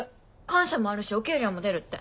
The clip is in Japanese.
官舎もあるしお給料も出るって。